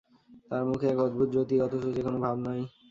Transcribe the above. তাঁর মুখে এক অদ্ভুত জ্যোতিঃ, অথচ যেন কোন ভাব নাই।